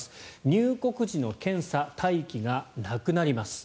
入国時の検査・待機がなくなります。